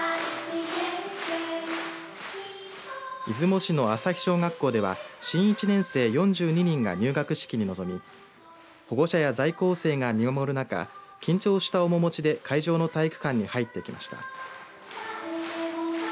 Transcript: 出雲市の朝陽小学校では新１年生４２人が入学式に臨み保護者や在校生が見守る中、緊張した面持ちで会場の体育館に入ってきました。